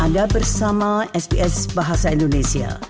anda bersama sps bahasa indonesia